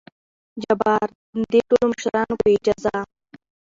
جبار : دې ټولو مشرانو په اجازه!